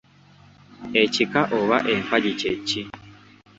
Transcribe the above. Ekika oba Empagi kye ki?